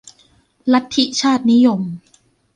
ลัทธิชาตินิยม